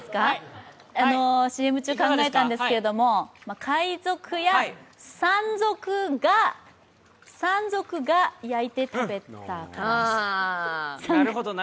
ＣＭ中、考えたんですが海賊や山賊が焼いて食べた？